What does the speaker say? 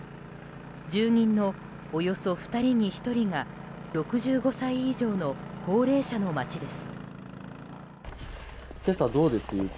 住人のおよそ２人に１人が６５歳以上の高齢者の街です。